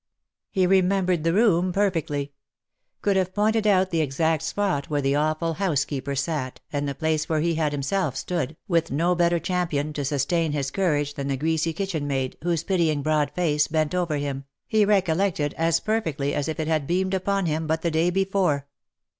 He remembered the room perfectly ; could have pointed out the exact spot where the awful housekeeper sat, and the place where he had himself stood, with no better champion to sustain his courage than the greasy kitchen maid, whose pitying broad face, bent over him, he recollected as perfectly as if it had beamed upon him but the day before.